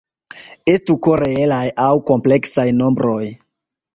Estu "K" reelaj aŭ kompleksaj nombroj.